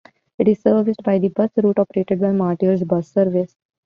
It is serviced by the bus route operated by Martyrs Bus Service.